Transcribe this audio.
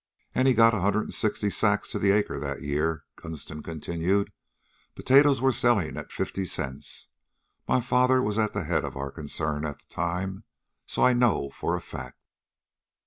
"And he got a hundred and sixty sacks to the acre that year," Gunston continued. "Potatoes were selling at fifty cents. My father was at the head of our concern at the time, so I know for a fact.